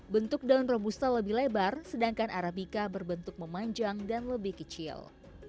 bentuk daun robusta lebih lebar sedangkan arabica berbentuk memanjang dan lebih kecil